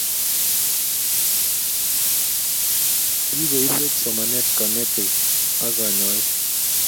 Kikoipwech somanet kanetik ak kanyoik